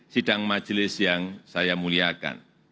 sidang majelis yang saya muliakan